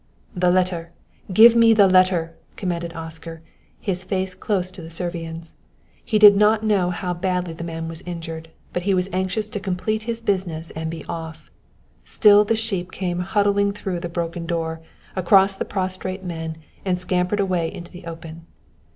"The letter give me the letter!" commanded Oscar, his face close to the Servian's. He did not know how badly the man was injured, but he was anxious to complete his business and be off. Still the sheep came huddling through the broken door, across the prostrate men, and scampered away into the open.